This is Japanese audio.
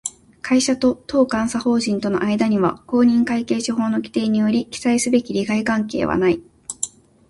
会社と当監査法人との間には、公認会計士法の規定により記載すべき利害関係はない